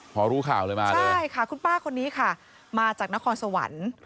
พอรู้ข่าวเลยมาใช่ค่ะคุณป้าคนนี้ค่ะมาจากนครสวรรค์